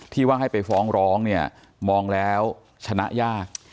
ว่าให้ไปฟ้องร้องเนี่ยมองแล้วชนะยาก